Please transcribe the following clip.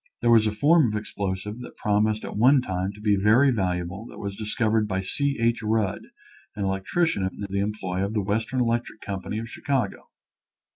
There was a form of explosive that promised at one time to be very valuable that was dis covered by C. H. Rudd, an electrician in the employ of the Western Electric Company of Chicago.